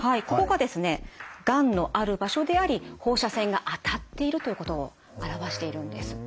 がんのある場所であり放射線が当たっているということを表しているんです。